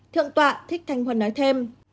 thượng tọa thích thanh huân nói thêm